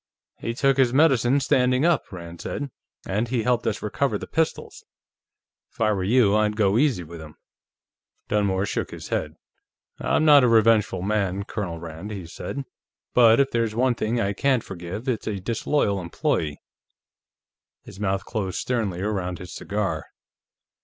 "He took his medicine standing up," Rand said. "And he helped us recover the pistols. If I were you, I'd go easy with him." Dunmore shook his head. "I'm not a revengeful man, Colonel Rand," he said, "but if there's one thing I can't forgive, it's a disloyal employee." His mouth closed sternly around his cigar.